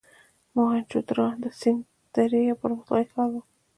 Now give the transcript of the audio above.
موهنچودارو د سند درې یو پرمختللی ښار و.